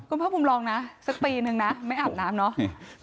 คุณภาคภูมิลองนะสักปีนึงนะไม่อาบน้ำเนาะ